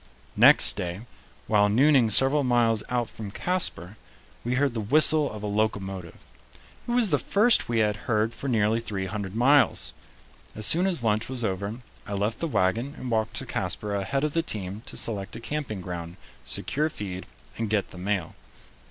Next day, while nooning several miles out from Casper, we heard the whistle of a locomotive. It was the first we had heard for nearly three hundred miles. As soon as lunch was over, I left the wagon and walked to Casper ahead of the team to select a camping ground, secure feed, and get the mail.